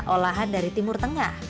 olahan dari timur tengah